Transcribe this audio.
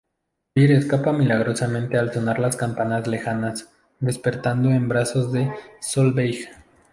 Peer escapa milagrosamente al sonar las campanas lejanas, despertando en brazos de Solveig.